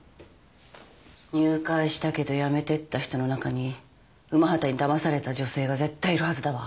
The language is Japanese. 入会したけど辞めてった人の中に午端にだまされた女性が絶対いるはずだわ。